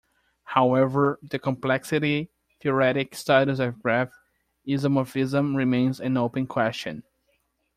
However the complexity-theoretic status of graph isomorphism remains an open question.